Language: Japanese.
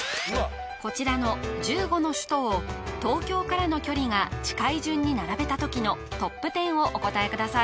こちらの１５の首都を東京からの距離が近い順に並べた時のトップ１０をお答えください